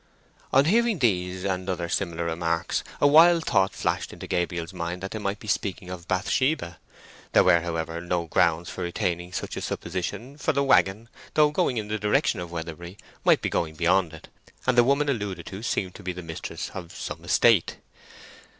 On hearing these and other similar remarks, a wild thought flashed into Gabriel's mind that they might be speaking of Bathsheba. There were, however, no grounds for retaining such a supposition, for the waggon, though going in the direction of Weatherbury, might be going beyond it, and the woman alluded to seemed to be the mistress of some estate.